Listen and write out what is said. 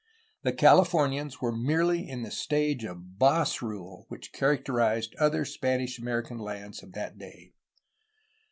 The Calif omians were merely in the stage of boss rule which characterized other Spanish American lands of that day.